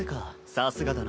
さすがだな。